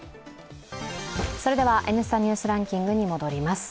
それでは、「Ｎスタ・ニュースランキング」に戻ります。